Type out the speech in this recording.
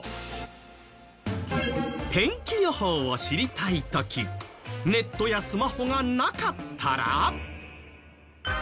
天気予報を知りたい時ネットやスマホがなかったら？